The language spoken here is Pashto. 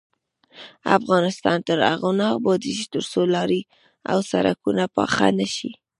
افغانستان تر هغو نه ابادیږي، ترڅو لارې او سرکونه پاخه نشي.